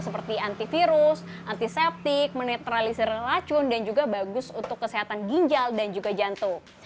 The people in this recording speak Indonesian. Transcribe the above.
seperti antivirus antiseptik menetralisir racun dan juga bagus untuk kesehatan ginjal dan juga jantung